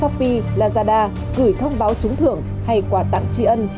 shopee lazada gửi thông báo trúng thưởng hay quà tặng tri ân